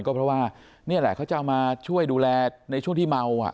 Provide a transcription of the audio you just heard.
ก็เพราะว่านี่แหละเขาจะมาช่วยดูแลในช่วงที่เมาอ่ะ